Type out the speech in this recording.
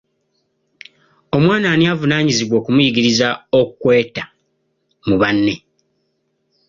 Omwana ani avunaanyizibwa okumuyigiriza okweta mu banne?